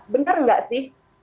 bener gak sih